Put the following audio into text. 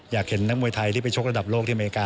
อยากเห็นนักมวยไทยที่ไปชกระดับโลกที่อเมริกา